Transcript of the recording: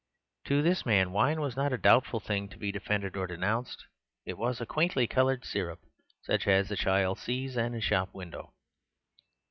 To this man wine was not a doubtful thing to be defended or denounced; it was a quaintly coloured syrup, such as a child sees in a shop window.